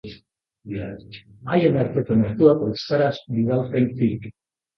Haien arteko mezuak euskaraz bidaltzen ziren.